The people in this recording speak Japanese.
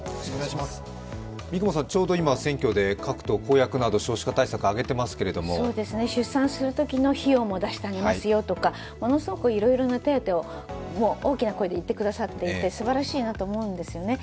三雲さん、ちょうど選挙で各党、公約など少子化対策、挙げていますけれども出産するときの費用も出してあげますよとか、ものすごくいろいろな手当を大きな声で言ってくださっていてすばらしいなと思うんですよね。